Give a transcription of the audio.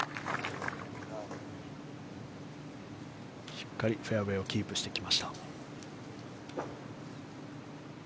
しっかりフェアウェーキープしてきました。